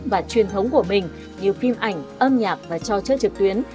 và truyền thống của mình như phim ảnh âm nhạc và cho chơi trực tuyến